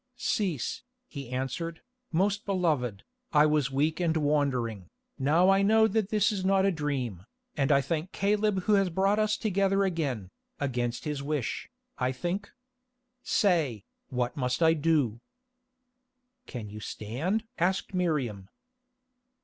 "Cease," he answered, "most beloved, I was weak and wandering, now I know that this is not a dream, and I thank Caleb who has brought us together again, against his wish, I think. Say, what must I do?" "Can you stand?" asked Miriam.